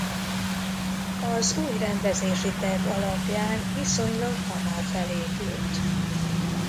Az új rendezési terv alapján viszonylag hamar felépült.